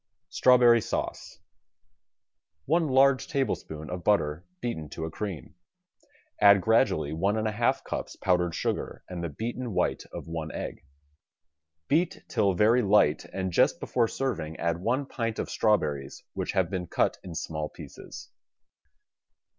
STRAWBERRY SAUCE One large tablespoon of butter beaten to a cream. Add gradually one and a half cups powdered sugar and the beaten white of one egg. Beat till very light and just before serving add one pint' of strawberries which have been cut in small pieces.